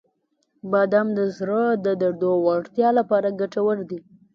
• بادام د زړه د دردو وړتیا لپاره ګټور دي.